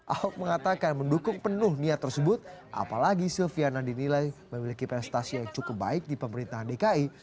ahok mengatakan mendukung penuh niat tersebut apalagi silviana dinilai memiliki prestasi yang cukup baik di pemerintahan dki